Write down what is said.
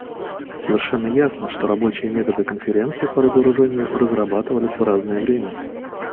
Совершенно ясно, что рабочие методы Конференции по разоружению разрабатывались в разное время.